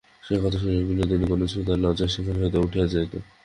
সে কথা শুনিয়া বিনোদিনী কোনো ছুতায় লজ্জায় সেখান হইতে উঠিয়া যাইত।